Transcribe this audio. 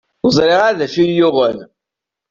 Ur ẓriɣ ara d acu i yi-yuɣen.